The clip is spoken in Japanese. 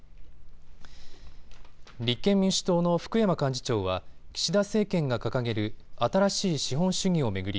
立憲民主党の福山幹事長は岸田政権が掲げる新しい資本主義を巡り